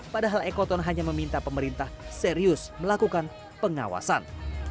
padahal ekoton hanya meminta pemerintah serius melakukan pengawasan